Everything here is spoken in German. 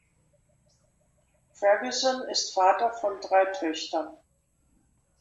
Ferguson ist Vater von drei Töchtern.